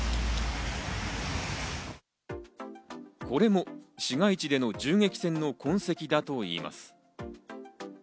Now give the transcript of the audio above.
これも市街地での銃撃戦の痕跡だといいます。